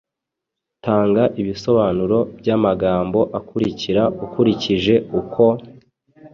Tanga ibisobanuro by’amagambo akurikira ukurikije uko